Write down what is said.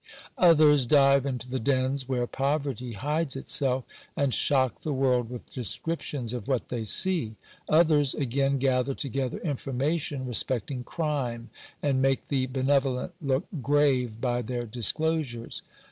Others dive into the dens where poverty hides itself, and shock the world with descriptions of what they see. Others, again, gather to gether information respecting crime, and make the benevolent look grave by their disclosures.